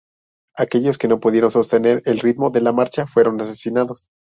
Aquellos que no pudieron sostener el ritmo de la marcha fueron asesinados.